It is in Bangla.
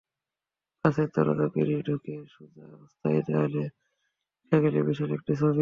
কাচের দরজা পেরিয়ে ঢুকে সোজা অস্থায়ী দেয়ালে দেখা গেল বিশাল একটি ছবি।